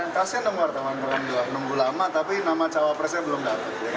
kasian nungguan nunggu lama tapi nama cawapresnya belum ada